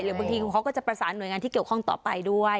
บางทีเขาก็จะประสานหน่วยงานที่เกี่ยวข้องต่อไปด้วย